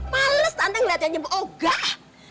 males tante ngeliatnya nyembuh oh nggak